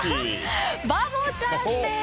バボちゃんです。